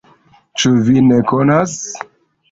Ĉu vi ne konas?